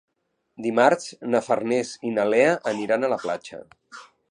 Dimarts na Farners i na Lea aniran a la platja.